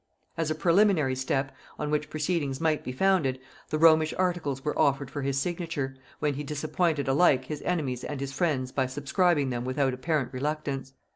As a preliminary step, on which proceedings might be founded, the Romish articles were offered for his signature, when he disappointed alike his enemies and his friends by subscribing them without apparent reluctance.